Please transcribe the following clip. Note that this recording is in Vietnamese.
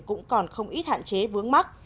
cũng còn không ít hạn chế vướng mắt